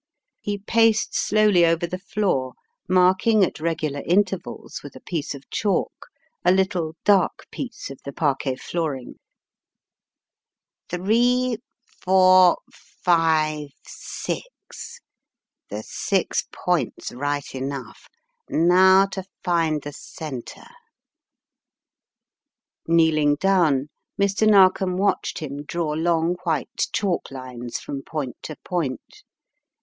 He paced slowly over the floor, marking at regular intervals with a piece of chalk a little dark piece of the parquet flooring. S66 The Riddle of the Purple Emperor " Three, four, five, six — the six points right enough. Now to find the centre/' Kneeling down, Mr. Narkom watched him draw long white chalk lines from point to point.